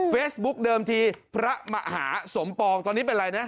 เฟซบุ๊กเดิมทีพระมหาสมปองตอนนี้เป็นอะไรนะ